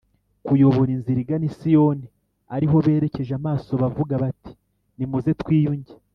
kuyoboza inzira igana i Siyoni ari ho berekeje amaso bavuga bati nimuze twiyunge